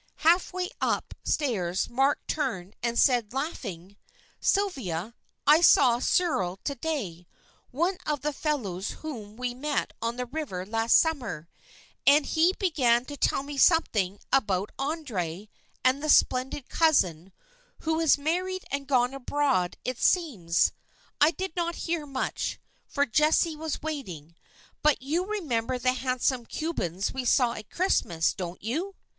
Half way up stairs Mark turned and said, laughing "Sylvia, I saw Searle to day, one of the fellows whom we met on the river last summer, and he began to tell me something about André and the splendid cousin, who is married and gone abroad it seems. I did not hear much, for Jessie was waiting; but you remember the handsome Cubans we saw at Christmas, don't you?"